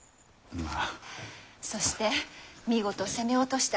まあ。